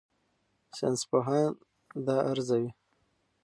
ساینسپوهان دا ارزوي.